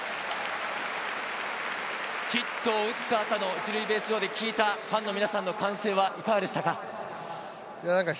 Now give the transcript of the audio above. ヒットを打った後の１塁ベース上で聞いたファンの皆さんの歓声はいかがでしたか？